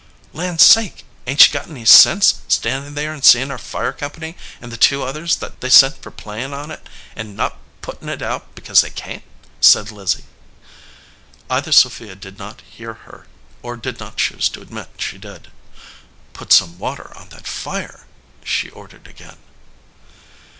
"Land sake! ain t she got any sense, standin there and seein our fire company and the two oth ers they sent for playin on it and not puttin it out because they can t?" said Lizzie. Either Sophia did not hear her or did not choose to admit she did. "Put some water on that fire," she ordered again.